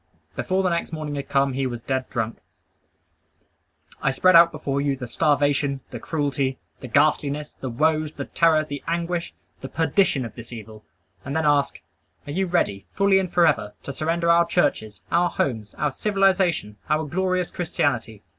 Before the next morning had come he was dead drunk! I spread out before you the starvation, the cruelty, the ghastliness, the woes, the terror, the anguish, the perdition of this evil, and then ask, Are you ready, fully and forever, to surrender our churches, our homes, our civilization, our glorious Christianity?